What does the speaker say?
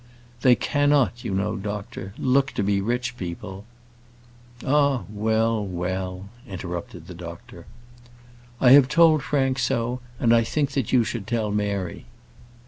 "They cannot, you know, doctor, look to be rich people " "Ah! well, well," interrupted the doctor. "I have told Frank so, and I think that you should tell Mary.